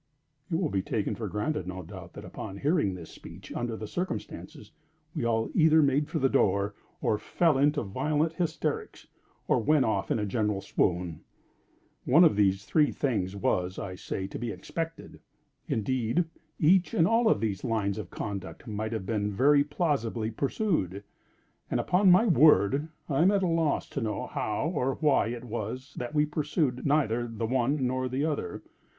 It will be taken for granted, no doubt, that upon hearing this speech under the circumstances, we all either made for the door, or fell into violent hysterics, or went off in a general swoon. One of these three things was, I say, to be expected. Indeed each and all of these lines of conduct might have been very plausibly pursued. And, upon my word, I am at a loss to know how or why it was that we pursued neither the one nor the other.